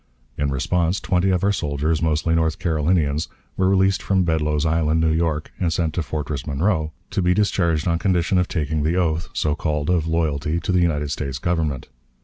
In response, twenty of our soldiers, mostly North Carolinians, were released from Bedloe's Island, New York, and sent to Fortress Monroe, to be discharged on condition of taking the oath, so called, of loyalty to the United States Government.